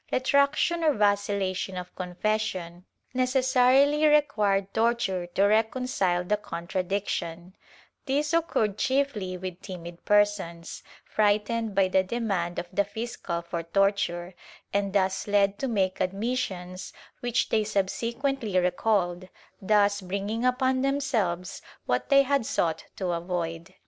Retrac tion or vacillation of confession necessarily required torture to reconcile the contradiction; this occurred chiefly with timid persons, frightened by the demand of the fiscal for torture, and thus led to make admissions which they subsequently recalled, thus bringing upon themselves what they had sought to avoid.'